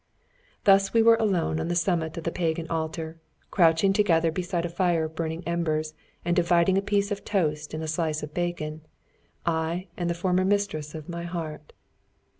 Thus we were alone on the summit of the Pagan Altar, crouching together beside a fire of burning embers, and dividing a piece of toast and a slice of bacon I and the former mistress of my heart.